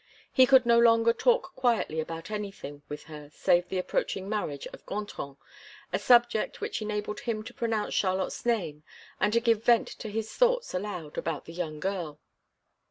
He could no longer talk quietly about anything with her save the approaching marriage of Gontran, a subject which enabled him to pronounce Charlotte's name, and to give vent to his thoughts aloud about the young girl.